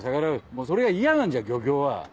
もうそれが嫌なんじゃ漁協は。